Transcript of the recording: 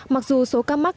mặc dù số ca mắc